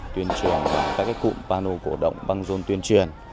tuyên truyền và các cái cụm pano cổ động băng rôn tuyên truyền